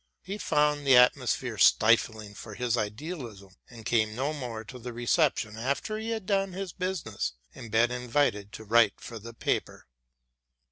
He found the atmosphere stifling for his idealism, and came no more to the receptions after he had done his business, and been invited to write for the paper.